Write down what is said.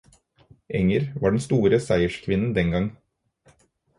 Enger var den store seierskvinnen den gang.